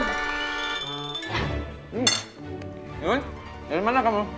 yun dari mana kamu